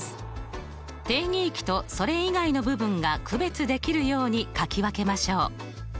定義域とそれ以外の部分が区別できるようにかき分けましょう。